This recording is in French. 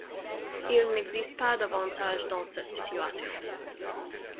Il n'existe pas d'avantage dans cette situation.